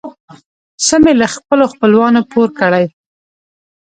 څه مې له خپلو خپلوانو پور کړې.